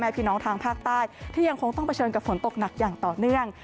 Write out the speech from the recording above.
พี่น้องทางภาคใต้ที่ยังคงต้องเผชิญกับฝนตกหนักอย่างต่อเนื่อง